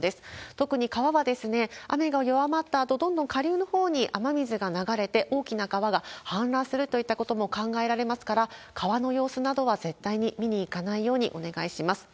特に川は、雨が弱まったあと、どんどん下流のほうに雨水が流れて、大きな川が氾濫するといったことも考えられますから、川の様子などは絶対に見に行かないようにお願いします。